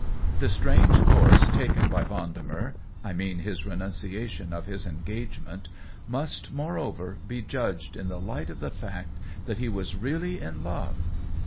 The strange course taken by Vendemer (I mean his renunciation of his engagement) must, moreover, be judged in the light of the fact that he was really in love.